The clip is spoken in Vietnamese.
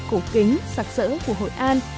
cổ kính sạc sỡ của hội an